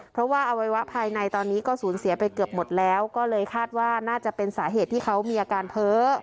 เพราะว่าอวัยวะภายในตอนนี้ก็สูญเสียไปเกือบหมดแล้วก็เลยคาดว่าน่าจะเป็นสาเหตุที่เขามีอาการเพ้อ